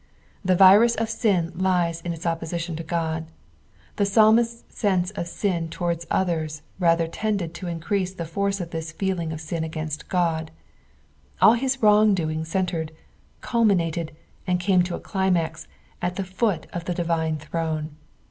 The virus of sin lies in it» oppo sition to Qod . the psalmist's sense of sin towards others rather tended to Increose the force of this feeling of sin against God. Ail his wrong doing centred, culminated, and came to a climax, at the foot of the divine throne.